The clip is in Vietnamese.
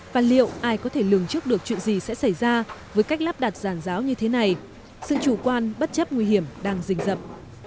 và liệu ai có thể lường trước được chuyện gì sẽ xảy ra với cách lắp đặt giàn giáo như thế này sự chủ quan bất chấp nguy hiểm đang dình dập